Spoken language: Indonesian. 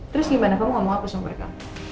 terus gimana kamu ngomong apa sama mereka